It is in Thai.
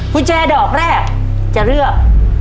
กุญแจดอกแรกจะเลือก